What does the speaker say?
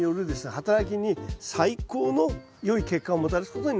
働きに最高のよい結果をもたらすことになります。